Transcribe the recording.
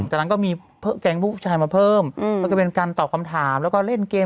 ฉันชอบปกป้องดารามืม